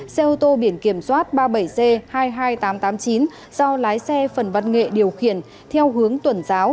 xe ô tô biển kiểm soát ba mươi bảy c hai mươi hai nghìn tám trăm tám mươi chín do lái xe phần văn nghệ điều khiển theo hướng tuần giáo